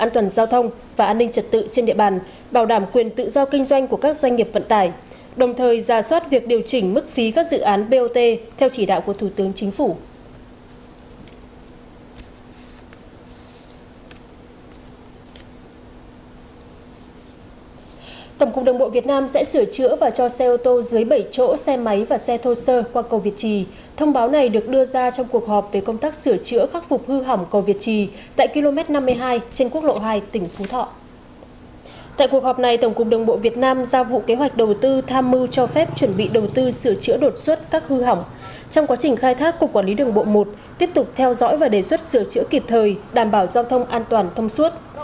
trong quá trình khai thác cục quản lý đường bộ i tiếp tục theo dõi và đề xuất sửa chữa kịp thời đảm bảo giao thông an toàn thông suốt